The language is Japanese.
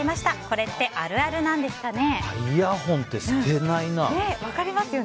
これって、あるあるなんですかね。